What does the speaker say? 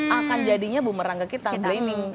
akan jadinya bumerang ke kita blaming